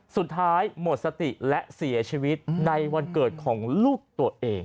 สุดท้ายหมดสติและเสียชีวิตในวันเกิดของลูกตัวเอง